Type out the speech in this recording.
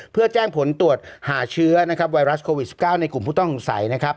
เพื่อแจ้งผลตรวจหาเชื้อนะครับไวรัสโควิด๑๙ในกลุ่มผู้ต้องสงสัยนะครับ